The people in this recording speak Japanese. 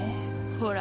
ほら